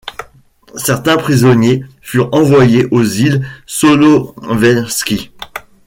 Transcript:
Certains prisonniers furent envoyés aux Îles Solovetsky.